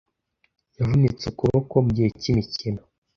Yavunitse ukuboko mugihe cyimikino.